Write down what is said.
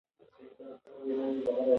وريچينه باران وريده، هغه ترې په منډه وه.